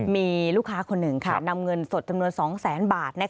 มีลูกค้าคนหนึ่งนำเงินสดจำนวน๒แสนบาท